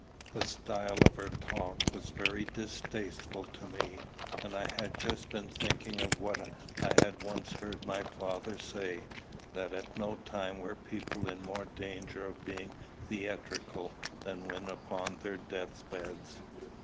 The style of her talk was very distasteful to me; and I had just been thinking of what I had once heard my father say, that at no time were people in more danger of being theatrical than when upon their death beds.